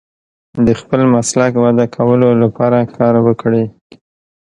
د خپل مسلک وده کولو لپاره کار وکړئ.